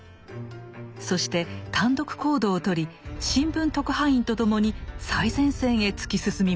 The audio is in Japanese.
そして単独行動をとり新聞特派員と共に最前線へ突き進みました。